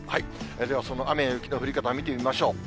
ではその雨や雪の降り方を見てみましょう。